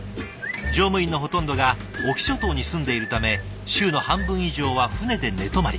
乗務員のほとんどが隠岐諸島に住んでいるため週の半分以上は船で寝泊まり。